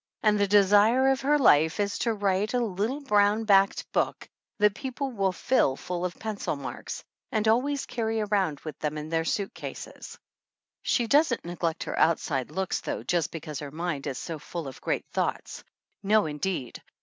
And the desire of her life is to write a little brown backed book 18 THE ANNALS OF ANN that people will fill full of pencil marks and al ways carry around with "them in their suit cases. She doesn't neglect her outside looks, though, just because her mind is so full of great thoughts. No indeed!